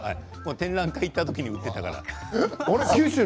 展覧会に行った時に売っていたから。